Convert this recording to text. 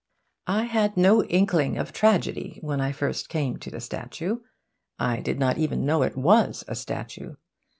I had no inkling of tragedy when first I came to the statue. I did not even know it was a statue.